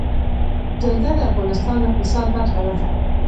جلګه د افغانستان د اقتصاد برخه ده.